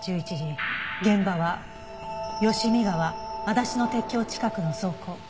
現場は吉美川あだしの鉄橋近くの倉庫。